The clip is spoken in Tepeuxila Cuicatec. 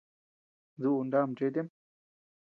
Duʼu ná machetem?